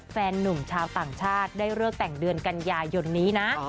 แฟนนุ่มชาวต่างชาติได้เลิกแต่งเดือนกันยายนนี้นะ